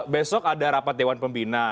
besok ada rapat dewan pembina